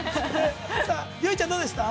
◆結実ちゃん、どうでした？